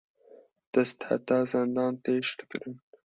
Dest heta zendan tê şilkirin